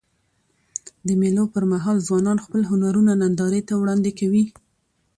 د مېلو پر مهال ځوانان خپل هنرونه نندارې ته وړاندي کوي.